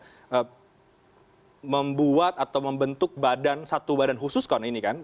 untuk membuat atau membentuk badan satu badan khusus kan ini kan